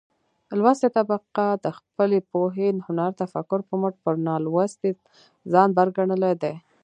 لوستې طبقه د خپلې پوهې، هنر ،تفکر په مټ پر نالوستې ځان بر ګنلى دى.